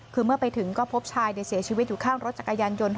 คือเมื่อไปถึงก็พบชายเสียชีวิตอยู่ข้างรถจักรยานยนต์